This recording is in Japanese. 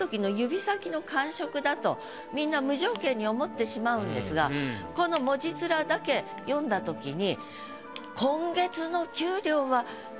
だとみんな無条件に思ってしまうんですがこの文字面だけ読んだときに。